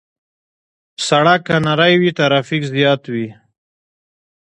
سړک که نری وي، ترافیک زیات وي.